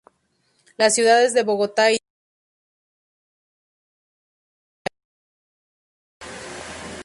Las ciudades de Bogotá y Tunja son ambas importantes centros universitarios.